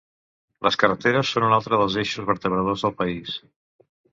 Les carreteres són un altre dels eixos vertebradors del país.